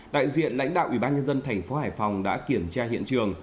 đại diện lãnh đạo ủy ban nhân dân thành phố hải phòng đã kiểm tra hiện trường